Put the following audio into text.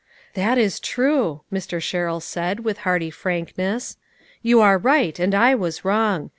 "That is true," Mr. Sherrill said, with hearty frankness. " You are right and I was wrong.